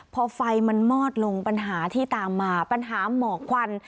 พอไฟมันมอดลงปัญหาที่ตามมาปัญหาหมอกควัน